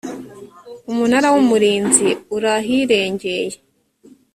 umunara w umurinzi uri ahirengeye